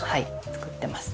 作ってます。